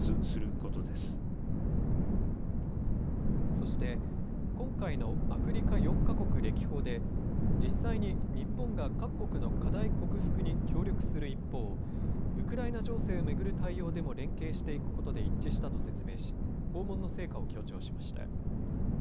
そして今回のアフリカ４か国歴訪で実際に、日本が各国の課題克服に協力する一方ウクライナ情勢を巡る対応でも連携していくことで一致したと説明し訪問の成果を説明しました。